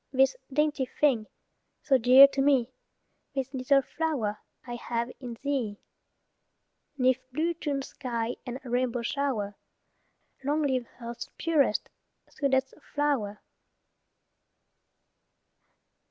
This dainty thing, so dear to me, This little flower I have in thee. 'Neath blue June sky and rainbow shower, Long live earth's purest, sweetest flower.